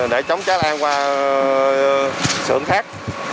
để chống cháy đám qua sưởng khác